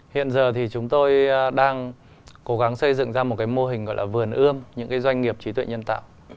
hiện giờ thì chúng tôi đang cố gắng xây dựng ra một cái mô hình gọi là vườn ươm những cái doanh nghiệp trí tuệ nhân tạo